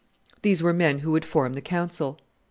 These were men who would form the council.